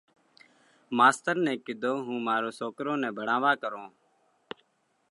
ماستر نئہ ڪِيڌو: هُون مارون سوڪرون نئہ ڀڻاووا ڪرونه؟